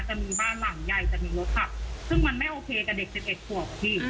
จะมีบ้านหลังใหญ่จะมีรถขับซึ่งมันไม่โอเคกับเด็กสิบเอ็ดขวบพี่